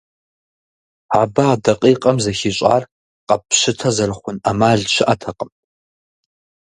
Абы а дакъикъэм зэхищӏар, къэппщытэ зэрыхъун ӏэмал щыӏэтэкъым.